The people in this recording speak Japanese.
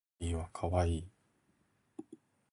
スヌーピーは可愛い